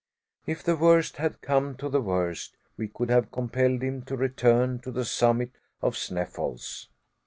If the worst had come to the worst, we could have compelled him to return to the summit of Sneffels.